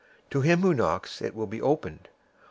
To him who knocks it will be opened.